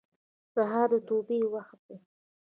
سهار د توبې وخت دی.